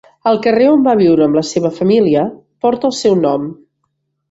El carrer on va viure amb la seva família porta el seu nom.